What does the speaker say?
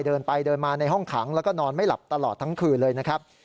เดินไปเดินมาในห้องขังแล้วก็นอนไม่หลับตลอดทั้งคืนเลยนะครับ